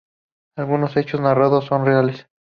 Algunos hechos narrados son reales.